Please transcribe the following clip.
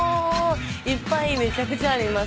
いっぱいめちゃくちゃあります。